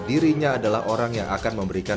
dirinya adalah orang yang akan memberikan